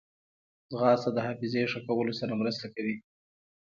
ځغاسته د حافظې ښه کولو سره مرسته کوي